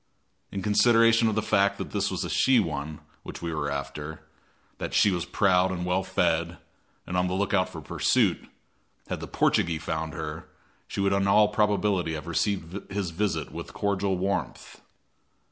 In consideration of the fact that this was a she one which we were after, that she was proud and well fed, and on the lookout for pursuit, had the "Portugee" found her, she would in all probability have received his visit with cordial warmth.